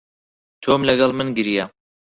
تۆم لەگەڵ من گریا.